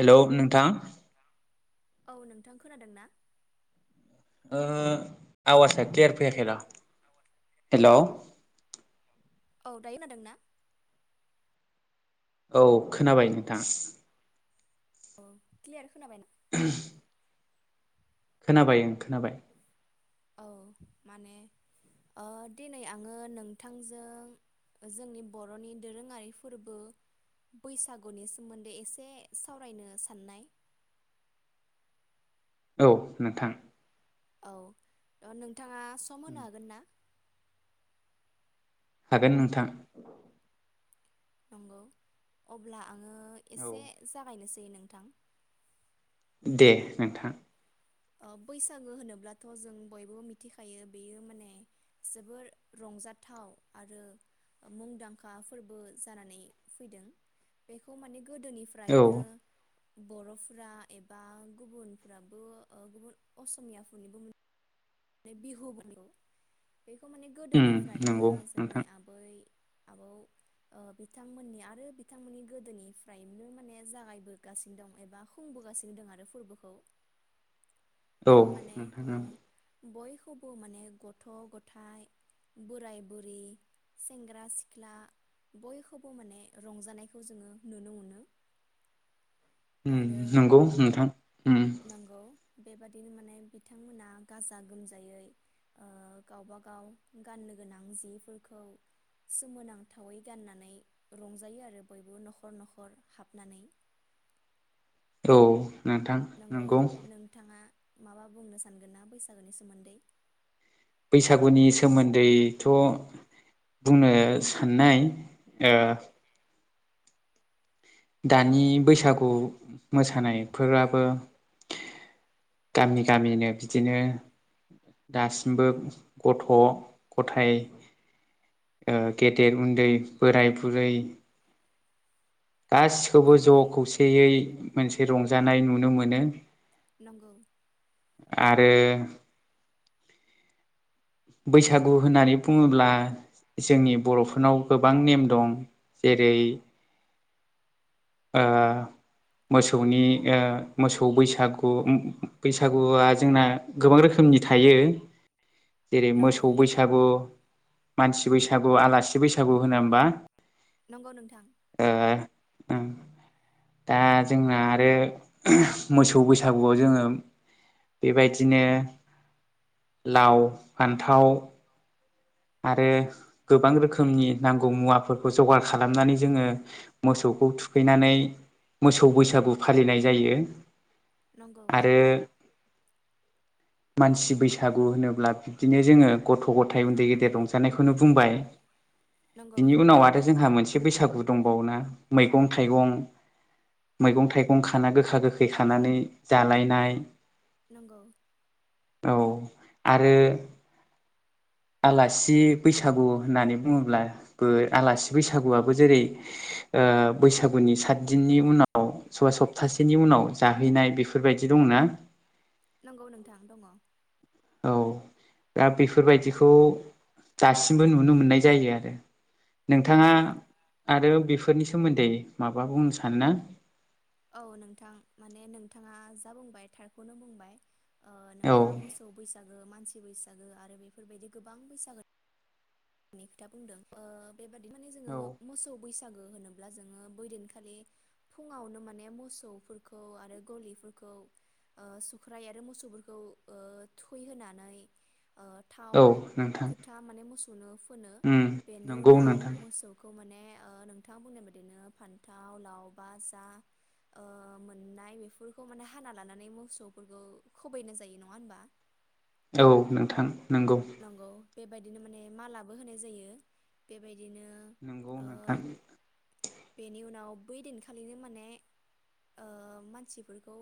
Hello नोंथां औ नोंथां खोनादों ना? ओ आवाजा क्लियार फैयाखै र हेलौ औ दायो हखोनादोंना? औ खोनाबाय नोंथां अ क्लियार खोनाबाय [unintelligible] खोनाबाय ओं खोनाबाय औ माने ओ दिनै आङो नोंथांजों जोंनि बर'नि दोरोङारि फोरबो बैसागुनि सोमोन्दै एसे सावरायनो साननाय औ नोंथां औ ओ नों नोंथाङा सम होनो हागोन ना? हागोन नोंथां नंगौ अब्ला आं ओ औ एसे जागायनो सै नोंथां दे नोंथां बैसागो होनोब्लाथ' जों बयबो मिथिखायो बेयो माने जोबोर रंजाथाव आरो मुंदांखा फोरबो जानानै फैदों बेखौ माने औ गोदोनिफ्रायनो बर'फ्रा एबा गुबुनफ्राबो ओ गुबुन असमियाफोरनिबो मोन माने बिहु बेखौ बेखौ माने उम गोदोनिफ्रायनो नंगौ जोंनि नोंथां आबै आबौ ओ बिथांमोननि आरो बिथांमोननि गोदोनिफ्रायनो माने जागायबोगासिनो दं एबा खुंबोगासिनो दं आरो फोरबोखौ औ बेयाव माने नोंथां ओ औ बयखौबो माने गथ' गथाइ बोराय बुरि सेंग्रा सिख्ला बयखौबो माने रंजानायखौ जोङो नुनो मोनो उम आरो नंगौ नोंथां उम नंगौ बेबादिनो माने बिथांमोना गाजा गोमजायै ओ गावबा गाव गाननो गोनां जिफोरखौ सोमोनांथावै गाननानै रंजायो आरो बयबो न'खर न'खर हाबनानै औ नंगौ नोंथाङा माबा बुंनो सानगोन ना बैसागोनि सोमोन्दै बैसागुनि सोमोन्दैथ' बुंनो साननाय ओ दानि बैसागु मोसानायफोराबो गामि गामिनो बिदिनो दासिमबो गथ' गथाइ ओ गेदेर उन्दै बोराय बुरै गासिखौबो ज' नंगौ खौसेयै मोनसे रंजानाय नुनो मोनो नंगौ बे बैसागु होननानै बुङोब्ला जोंनि बर'फोरनाव गोबां नेम दं जेरै ओ मोसौनि ओ मोसौ बैसागु बैसागुआ जोंना गोबां रोखोमनि थायो जेरै नंगौ मोसौ बैसागु मानसि बैसागु आलासि बैसागु होना होमबा नंगौ नोंथां ओ दा जोंना आरो मोसौ बैसागुआव जोंङो बेबायदिनो लाव फान्थाव आरो गोबां रोखोमनि नांगौ मुवाफोरखौ जगार खालामनानै जोंङो मोसौखौ थुखैनानै मोसौ मोसौ बैसागु फालिनाय जायो नंगौ आरो मानसि बैसागु होनोब्ला बिब्दिनो जोंङो गथ गथाय उन्दै गेदे दे रंजानायखौनो बुंबाय नंगौ बिनि उनाव आरो जोंहा मोनसे बैसागु दंबावोना मैगं थाइगं मैगं थाइगं खाना गोखा गोखै खानानै जालायनाय नंगौ औ आरो आलासि बैसागु होननानै बुङोब्लाबो आलासि बैसागुआबो जेरै ओ बैसागुनि सातदिननि उनाव सोरबा सप्तासेनि उनाव जाहैनाय बेफोरबायदि दंना। नंगौ नोंथां दङ। औ दा बेफोरबायदिखौ दासिमबो नुनो मोननाय जायो आरो। नोंथाङा नंगौ आरो बेफो फोरनि सोमोन्दै माबा बुंनो सानो ना? औ नोंथां माने नोंथाङा जा बुंबाय थारखौनो बुंबाय। ओ औ नोंथाङा मोसौ बैसागो मानसि बैसागो आरो बेफोरबायदि गोबां बैसागो खोथा बुंदों ओ बेबादि माने जोङो औ मोसौ बैसागु होनोब्ला जोङो बै दिनखालि फुङावनो माने मोसौफोरखौ आरो गलिफोरखौ ओ सुख्राय आरो मोसौफोरखौ ओ थुखै होनोनानै ओ थाव औ नोंथां फोथा माने मोसौ ओ फुनो उम बेनि नंगौ उनाव नोंथां मोसौखौ माने नोंथाङा बुंनाय बायदिनो फान्थाव लाव बा जा ओ मोननाय बेफोरखौ माने हाना लानानै मोसौफोरखौ खोबैनाय जायो नङा होनबा? औ नोंथां नंगौ बेबायदिनो माने मालाबो होनाय जायो बेबाय दिनो नंगौ ओ, नोंथां बेनि उनाव बै दिन खालिनो माने, ओ मानसिफोरखौ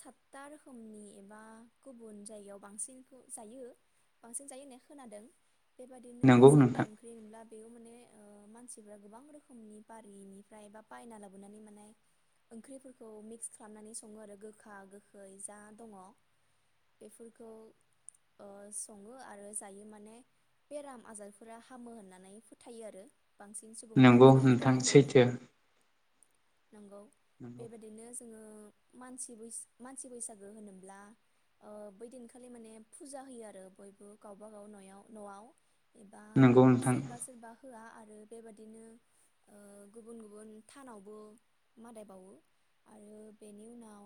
सातथा रोखोमनि एबा गुबुन जायगायाव बांसिनखौ जायो। बांसिन जायो होनाय खोनादों। बेबादिनो नंगौ सातथा नोंथां ओंख्रि मोनब्ला बेयाव माने ओ मानसिफ्रा गोबां रोखोमनि बारिनिफ्राय बा बायना लाबोनानै माने ओंख्रिफोरखौ मिक्स खालामनानै सङो आरो गोखा गोखै जा दङ बेफोरखौ ओ सङो आरो जायो माने बेराम आजारफोरा हामो होननानै फोथायो आरो। बांसिन सुबुंफ्रा नंगौ गोदो नोंथां गोदायनिफ्रायनो सैथो नंगौ नंगौ बेबायदिनो ओ मानसि बैस-बैसागो होनोब्ला ओ बै दिनखालि माने फुजा होयो आरो। बयबो गावबागाव नयाव नआव एबा नंगौ नोंथां सोरबा सोरबा होआ आरो आरो बेबादिनो ओ गुबुन गुबुन थानावबो मादाय बावो आरो बेनि उनाव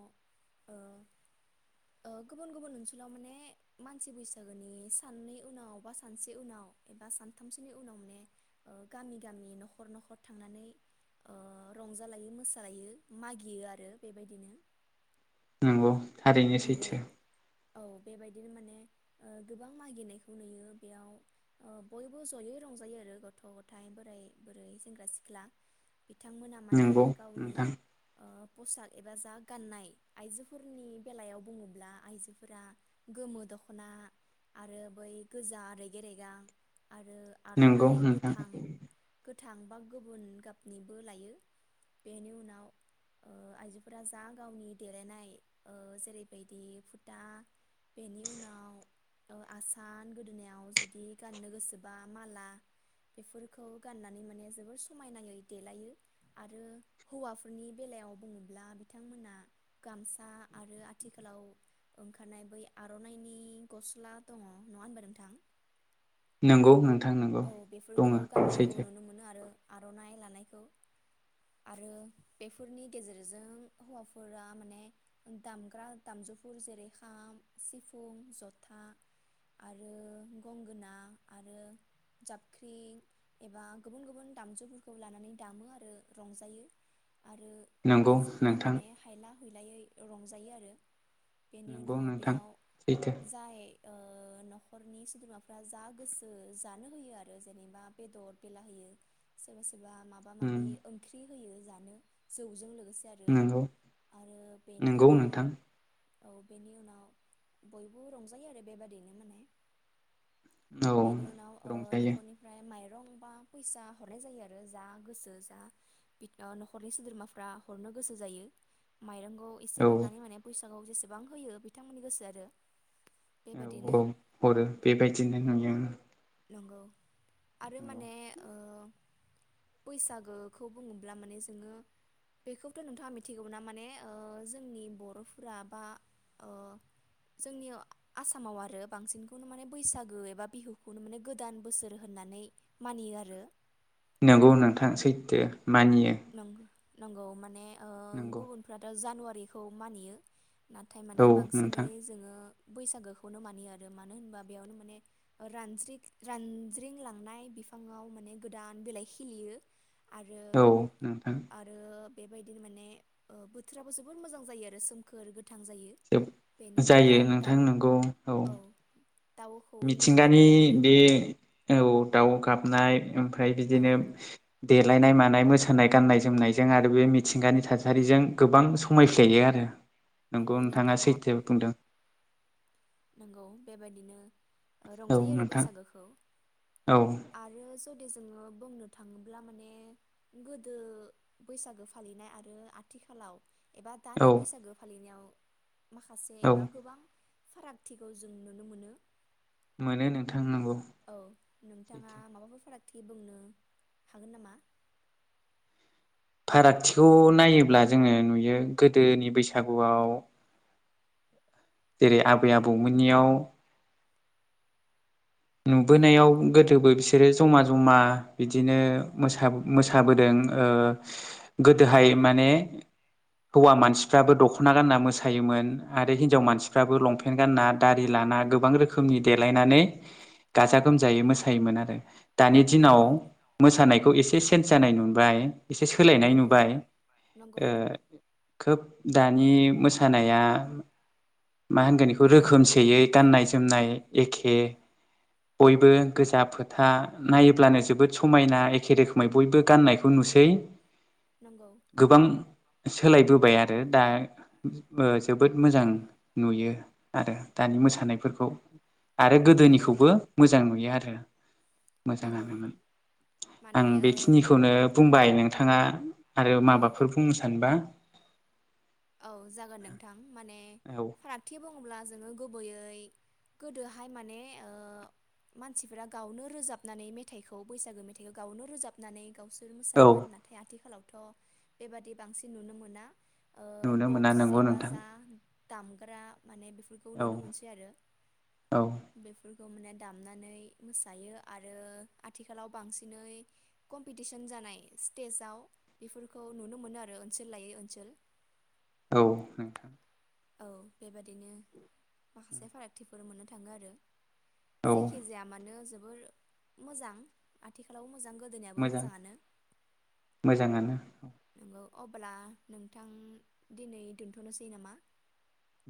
ओ ओ गुबुन गुबुन ओनसोलाव माने मानसि बैसा गोनि साननै उनाव बा सानसे उनाव एबा सानथामसोनि उनावान गामि गामि नखर नखर थांनानै ओ रंजालायो मोसालायो मागियो आरो बेबायदिनो। नंगौ थारैनो नंगौ सैथो औ बेबायदिनो माने गोबां मागिनायखौ नुयो बेयाव बयबो जयै रंजायो आरो गथ' गथाय बोराय बुरै सेंग्रा सिख्ला बिथांमोना माने नंगौ गावनि नोंथां ओ कसाद एबा जा गाननाय आइजोफोरनि बेलायाव बुङोब्ला आइजोफोरा गोमो दखना आरो बै गोजा रेगे रेगां आरो नंगौ आर'नाइ नोंथां गोथां गोथां बा गुबुन गाबनिबो लायो बेनि उनाव ओ आइजोफोरा जा गावनि देलायनाय। ओ जेरैबायदि फुथा बेनि उनाव आसान गोदोनायाव जुदि गाननो गोसोबा माला बेफोरखौ गाननानै माने जोबोर समायनाङै देलायो आरो हौवाफोरनि बेलायाव बुङोब्ला बिथांमोना गामसा। आरो आथिखालाव ओंखारनाय बै आरनाइनि गस्ला दङ नङा होनबा नोंथां। नंगौ नों औ बेफोरखौ गाननायखौ नुनो मोनो आरो। आरनाइ लानायखौ आरो बेफोरनि गेजेरजों हौवाफोरा माने दामग्रा दामजुफोर जेरै खाम सिफुं जथा आरो गंगोना आरो जाबख्रि एबा गुबुन गुबुन दामजुफोरखौ लानानै दामो आरो रंजायो। आरो नंगौ आइजोफोरा नोंथां माने हायला हुय लायै रंजायो आरो। बेनि नंगौ उनाव नोंथां बेयाव सैथो जाय ओ नखरनि सोद्रोमाफ्रा जा गोसो जा नो होयो आरो जेनेबा बेदद बेला होयो सोरबा सोरबा माबा उम माबि ओंख्रि। होयो जानो जौ जों लोगो सो आरो नंगौ आरो बेनि नंगौ उनाव नोंथां औ बेनि उनाव बयबो रंजायो आरो बेबादिनो माने औ। बेनि उनाव ओ रंजायो। न'खरनिफ्राय माइरं बा फैसा हरनाय जायो आरो जा गोसो जा नखरनि सोद्रोमाफ्रा हरनो गोसो जायो माइरं। खौ एसे औ हरनानै माने फैसा [unintelligible] जेसेबां होयो बिथांमोननि गोसो आरो। औ बेबादिनो औ हरो बेबायदिनो नुयो ओं नंगौ। आरो माने ओ बैसागोखौ बुङोब्ला माने जोङो बेखौथ' नोंथाङा मिथिगौमोन ना माने जोंनि बर'फोरा बा ओ जोंनि आसामाव आरो बांसिनखौनो माने बैसागो एबा बिहु [unintelligible] माने गोदान बोसोर होननानै मानियो आरो। नंगौ नोंथां सैथो। मानियो। नंगौ नंगौ माने ओ नंगौ गुबुनफ्राथ' जानुवारि बेैखौ मानियो। नाथाय माने औ बांसिनै नोंथां जोङो बैसागोखौनो मानियो आरो मानो होनबा बेयावनो माने रानज्रि रानज्रिं लांनाय बिफाङाव माने गोदान बिलाइ खिलियो। आरो। औ नोंथां। आरो बेबायदिनो माने बोथोराबो जोबोर मोजां जायो आरो सोमखोर गोथ जोब जायो दाउ नोंथां नंगौ औ दाउखौनि मिथिंगानि गाबनाय बे औ दाउ गाब नाय ओमफा ओमफ्राय औ बिदिनो देलायनाय मानाय मोसानाय गाननाय जोमनायजों आरो बे मिथिंगानि थासारिजों गोबां समायफ्लेयो आरो नंगौ नोंथाङा सैथो बुंदों। नंगौ बेबादिनो ओ औ रंजायो आरो नोंथां बैसागोखौ औ आरो ज जोङो बुंनो थाङोब्ला माने गोदो बैसागो फालिनाय आरो आथिखालाव एबा औ दानि बैसागो फालिनायाव माखासे औ बा गोबां फारागथिखौ जों नुनो मोनो मोनो नोंथां नंगौ औ नोंथाङा सैथो। माबाफोर फाराग थि बुंनो हागोन नामा? फारागथिखौ नायोब्ला जोङो नुयो गोदोनि बैसागुआव जेरै आबै-आबौमोननियाव नंगौ नुबोनायाव गोदोबो बिसोरो ज'मा ज'मा बिदिनो मोसा-मोसाबोदों ओ गोदोहाय माने हौवा मानसिफ्राबो दख'ना गानना मोसायोमोन आरो हिनजाव मानसिफ्राबो लंपेन्ट गानना दारि लाना गोबां रोखोमनि देलायनानै गाजा गोमजायै मोसायोमोन आरो दानि दिनाव नंगौ मोसानायखौ एसे चेन्ज जानाय नुबाय। एसे सोलायनाय नंगौ नुबाय नंगौ ओ खोब दानि मोसानाया मा होनगोन एखौ माने औ रोखोमसेयै गाननाय-जोमनाय एखे बयबो गोजा फोथा नायोब्लानो जोबोद समायना एखे रोखोमै बयबो गाननायखौ नुसै नंगौ गोबां सोलायबोबाय आरो दा ओ जोबोद मोजां नुयो आरो दानि मोसानायफोरखौ। आरो नंगौ गोदोनिखौबो मोजां नुयो आरो। नंगौ मोजाङानोमोन आं माने ओ बेखिनिखौनो बुंबाय नों थाङा आरो औ माबाफोर बुंनो सानबा? औ जागोन नोंथां माने औ फारागथि बुं ब्ला जोङो गुबैयै गोदोहाय माने ओ मानसिफोरा गावनो रोजाबनानै मेथाइखौ बैसागो मेथाइखौ गावनो रोजाबनानै गावसोर बि औ मोसायोमोन नाथाय आथिखालाव थ' बेबादि बांसिन नुनो मोना। ओ नुनो मोना बक्स नंगौ एबा नोंथां जा दामग्रा माने बेफोरखौ औ नुनो मोनसै आरो औ बेफोर बेखौ माने दामनानै मोसायो आरो आथिखालाव बांसिनै कमपिटिसन जानाय स्टेजाव बेफोरखौ नुनो मोनो आरो ओनसोल लायै ओनसोल। औ नोंथां। औ बेबादिनो माखासे फारागथिफोर मोननो थाङो आरो। औ जायखि जाया मानो जोब जोबोर मोजां आथिखालाव मोजां गोदोनियाबो मोजां मोजाङानो मोजाङानो नंगौ। अब्ला नोंथां दिनै दोनथ'नोसै नामा?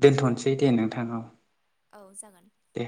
दोनथनोसै दे नोंथां औ। औ जागोन। दे।